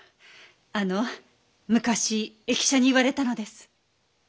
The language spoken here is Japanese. あの昔易者に言われたのです。